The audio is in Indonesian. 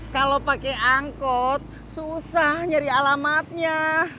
kalau pakai angkot susah nyari alamatnya